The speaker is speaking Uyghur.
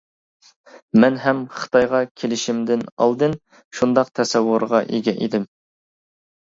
مەن ھەم خىتايغا كېلىشىمدىن ئالدىن شۇنداق تەسەۋۋۇرغا ئىگە ئىدىم.